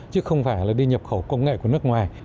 chứ không phải là đi nhập khẩu công nghệ của nước ngoài